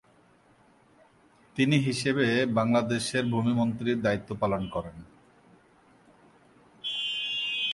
তিনি হিসেবে বাংলাদেশের ভূমি মন্ত্রীর দায়িত্ব পালন করেন।